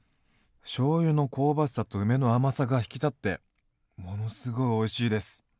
しょうゆの香ばしさと梅の甘さが引き立ってものすごいおいしいです。